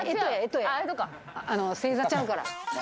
星座ちゃうから。